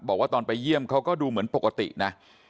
บอกว่าตอนไปเยี่ยมเขาก็ดูเหมือนปกตินะ